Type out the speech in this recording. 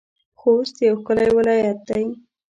خوست يو ښکلی ولايت دی.